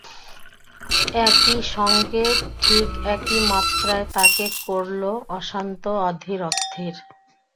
একই সঙ্গে ঠিক একই মাত্রায় তাকে করল অশান্ত, অধীর, অস্থির।